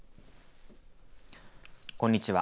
こんにちは。